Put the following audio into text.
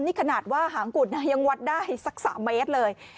นี่ขนาดว่าหางกุดนะยังวัดได้สัก๓เมตรเลย